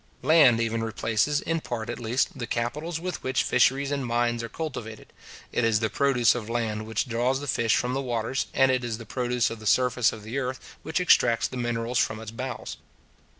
Land even replaces, in part at least, the capitals with which fisheries and mines are cultivated. It is the produce of land which draws the fish from the waters; and it is the produce of the surface of the earth which extracts the minerals from its bowels.